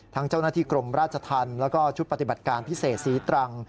เจ้าหน้าที่กรมราชธรรมแล้วก็ชุดปฏิบัติการพิเศษศรีตรัง